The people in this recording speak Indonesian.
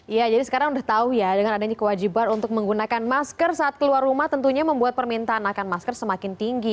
iya jadi sekarang sudah tahu ya dengan adanya kewajiban untuk menggunakan masker saat keluar rumah tentunya membuat permintaan akan masker semakin tinggi